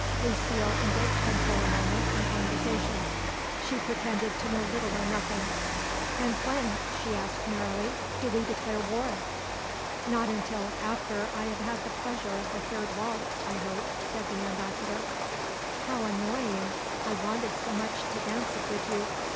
Lucile engaged him for a moment in conversation; she pretended to know little or nothing. "And when," she asked merrily, "do we declare war?" "Not until after I have had the pleasure of the third waltz, I hope," said the Ambassador. "How annoying! I wanted so much to dance it with you."